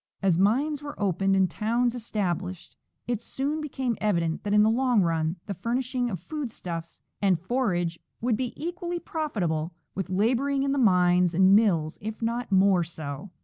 As mines were opened and towns .established it soon became evident that in the long run the furnishing of food stuffs and forage would be equally profitable with laboring in the mines and mills, if not more so.